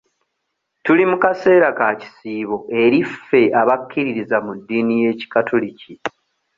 Tuli mu kaseera ka kisiibo eri ffe abakkiririza mu ddiini y'ekikatoliki.